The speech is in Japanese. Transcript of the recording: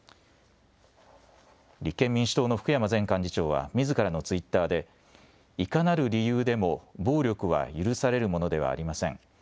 立憲民主党の福山前幹事長はみずからのツイッターでいかなる理由でも暴力は許されるものではありません。